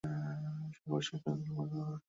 মহাসাগর ও তার শাখা-প্রশাখা সবই লোনা ও খর।